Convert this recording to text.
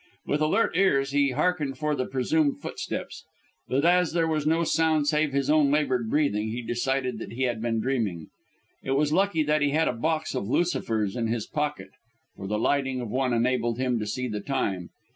With alert ears he hearkened for the presumed footsteps, but as there was no sound save his own laboured breathing, he decided that he had been dreaming. It was lucky that he had a box of lucifers in his pocket, for the lighting of one enabled him to see the time.